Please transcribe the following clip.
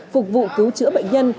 phục vụ cứu chữa bệnh nhân